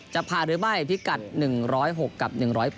จะผ่านหรือไม่พิกัด๑๐๖กับ๑๐๘